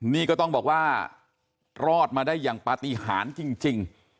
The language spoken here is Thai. นี่ก็ต้องบอกว่ารอดมาได้อย่างปฏิหารจริง